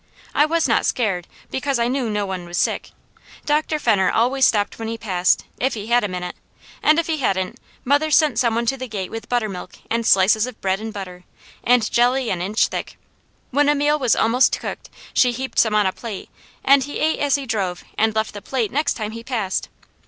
I was not scared, because I knew no one was sick. Dr. Fenner always stopped when he passed, if he had a minute, and if he hadn't, mother sent some one to the gate with buttermilk and slices of bread and butter, and jelly an inch thick. When a meal was almost cooked she heaped some on a plate and he ate as he drove and left the plate next time he passed.